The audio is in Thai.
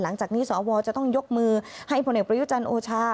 หลังจากนี้สวจะต้องยกมือให้ผลเอกประยุจันทร์โอชา